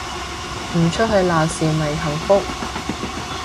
唔出去鬧事咪幸福